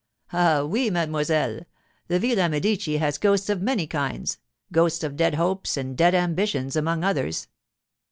'Ah, oui, mademoiselle; the Villa Medici has ghosts of many kinds—ghosts of dead hopes and dead ambitions among others.